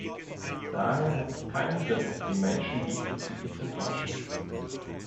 Daher hat es keinen Sinn, die Menschen diesbezüglich zu täuschen.